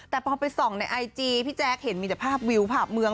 แต่พอไปส่องในไอจีพี่แจ๊คเห็นมีแต่ภาพวิวภาพเมือง